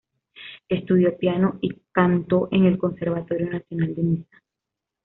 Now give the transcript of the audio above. Estudió piano y canto en el Conservatorio Nacional de Niza.